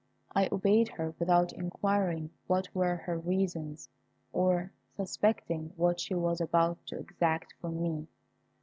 I obeyed her without inquiring what were her reasons, or suspecting what she was about to exact from me.